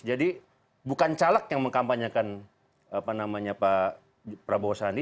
jadi bukan caleg yang mengkampanyekan pak prabowo sandi